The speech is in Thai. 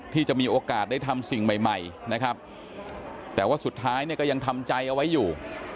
ที่จะมีโอกาสได้ทำสิ่งใหม่ใหม่นะครับแต่ว่าสุดท้ายเนี่ยก็ยังทำใจเอาไว้อยู่